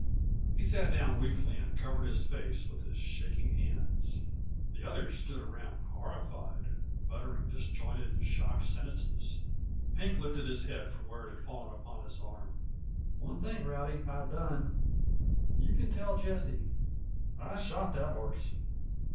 He sat down weakly and covered his face with his shaking hands. The others stood around horrified, muttering disjointed, shocked sentences. Pink lifted his head from where it had fallen upon his arm. "One thing, Rowdy I done. You can tell Jessie. I shot that horse."